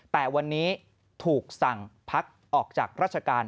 แต่วันนี้ถูกสั่งพักออกจากราชการ